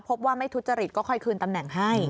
พบว่าไม่ทุจริตก็ค่อยคืนตำแหน่งให้